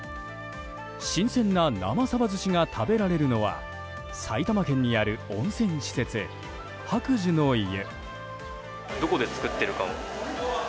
新鮮な生サバ寿司が食べられるのは埼玉県にある温泉施設白寿の湯。